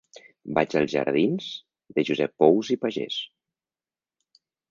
Vaig als jardins de Josep Pous i Pagès.